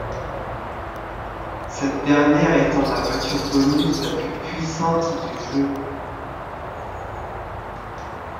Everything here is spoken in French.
Cette dernière étant la voiture bonus la plus puissante du jeu.